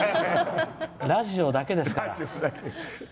ラジオだけですから。